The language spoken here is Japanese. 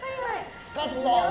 勝つぞ。